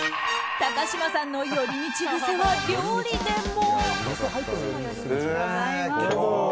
高嶋さんの寄り道癖は料理でも。